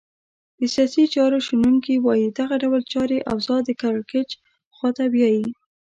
د سیاسي چارو شنونکي وایې دغه ډول چاري اوضاع د کرکېچ خواته بیایې.